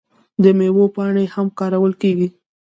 د میوو پاڼې هم کارول کیږي.